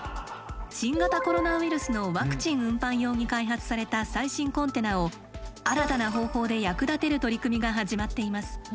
新型コロナウイルスのワクチン運搬用に開発された最新コンテナを新たな方法で役立てる取り組みが始まっています。